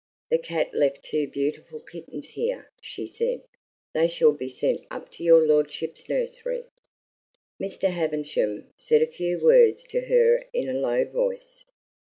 "The cat left two beautiful kittens here," she said; "they shall be sent up to your lordship's nursery." Mr. Havisham said a few words to her in a low voice.